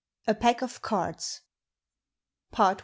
A PACK OF CARDS PART I.